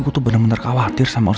gua tuh bener bener khawatir sama uang